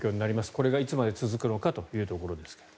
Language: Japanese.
これがいつまで続くのかというところですが。